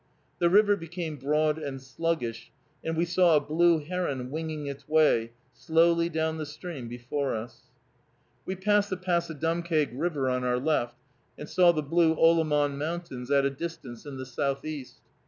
The river became broad and sluggish, and we saw a blue heron winging its way slowly down the stream before us. We passed the Passadumkeag River on our left and saw the blue Olamon mountains at a distance in the southeast.